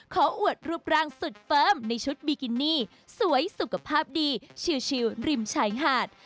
อวดรูปร่างสุดเฟิร์มในชุดบิกินี่สวยสุขภาพดีชิลริมชายหาด